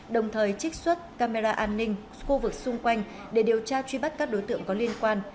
đồng thời trích xuất camera an ninh khu vực xung quanh để điều tra truy bắt các đối tượng có liên quan